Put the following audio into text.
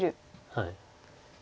はい。